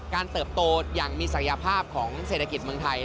เติบโตอย่างมีศักยภาพของเศรษฐกิจเมืองไทย